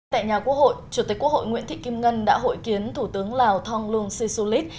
tại nhà quốc hội chủ tịch quốc hội nguyễn thị kim ngân đã hội kiến thủ tướng lào thonglun sisulit